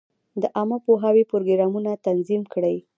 د عامه پوهاوي پروګرامونه تنظیم کړي.